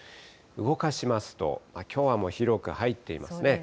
動かしますと、きょうはもう広く入っていますね。